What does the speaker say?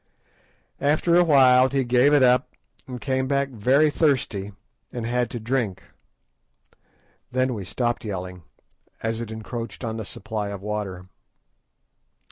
After a while he gave it up and came back very thirsty, and had to drink. Then we stopped yelling, as it encroached on the supply of water.